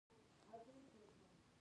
علم د ټولنې ستونزې تشخیصوي.